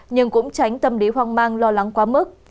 nhưng cũng tránh tâm lý hoang mang lo lắng quá mức